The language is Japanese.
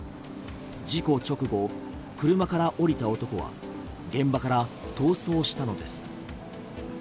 事故直後、車から降りた男は現場から逃走したのです。